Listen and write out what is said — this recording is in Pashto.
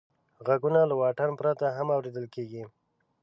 غږونه له واټن پرته هم اورېدل کېږي.